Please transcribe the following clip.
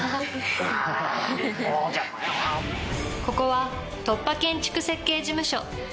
ここは突破建築設計事務所。